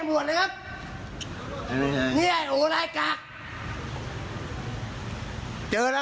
แล้วก็อาลามาระยะ